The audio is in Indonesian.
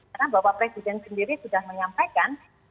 karena bapak presiden sendiri sudah menyampaikan